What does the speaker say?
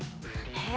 えっ？